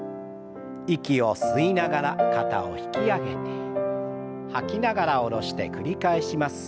息を吸いながら肩を引き上げて吐きながら下ろして繰り返します。